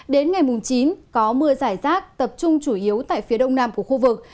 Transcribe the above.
đến ngày chín có mưa giải rác tập trung chủ yếu tại phía đông nam của khu vực